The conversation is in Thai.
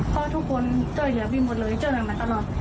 พ่อทุกคนเจ้าเหลือปีหมดเลยเจ้าเหลือมาตลอด